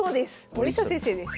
森下先生です。